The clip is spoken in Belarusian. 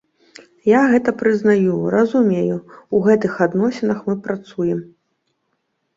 Я гэта прызнаю, разумею, у гэтых адносінах мы працуем.